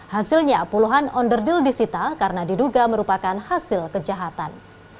hasilnya puluhan onderdil disita karena diduga merupakan hasil kejahatan